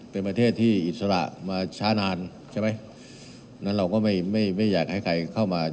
เป็นประเทศที่อิสระมาช้านานใช่ไหมนั้นเราก็ไม่ไม่อยากให้ใครเข้ามา